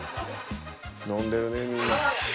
飲んでるねみんな。